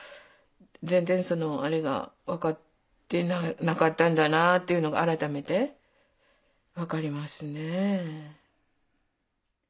全然あれが分かってなかったんだなっていうのが改めて分かりますね。